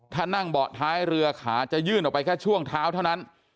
ถ้านั่งเบาะท้ายเรือขาจะยื่นออกไปแค่ช่วงเท้าเท่านั้น